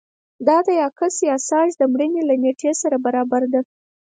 دا د یاکس یاساج د مړینې له نېټې سره برابره ده